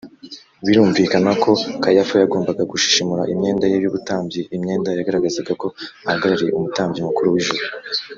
birumvikana ko kayafa yagombaga gushishimura imyenda ye y’ubutambyi, imyenda yagaragazaga ko ahagarariye umutambyi mukuru w’ijuru